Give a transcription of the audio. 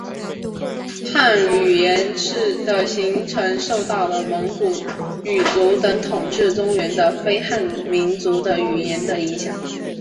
汉儿言语的形成受到了蒙古语族等统治中原的非汉民族的语言的影响。